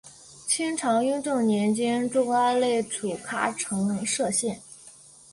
清朝雍正年间筑阿勒楚喀城设县。